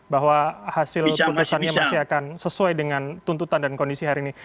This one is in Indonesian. bahwa hasil putusannya masih akan sesuai dengan tuntutan dan kondisi hari ini